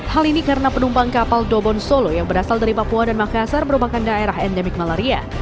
hal ini karena penumpang kapal dobon solo yang berasal dari papua dan makassar merupakan daerah endemik malaria